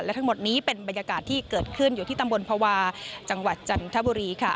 และทั้งหมดนี้เป็นบรรยากาศที่เกิดขึ้นอยู่ที่ตำบลภาวะจังหวัดจันทบุรีค่ะ